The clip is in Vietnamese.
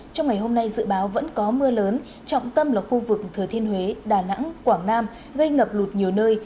trong ngày hôm nay dự báo vẫn có mưa lớn trọng tâm là khu vực thừa thiên huế đà nẵng quảng nam gây ngập lụt nhiều nơi